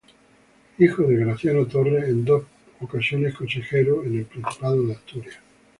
Hijo de Graciano Torre en dos ocasiones consejero en el Principado de Asturias.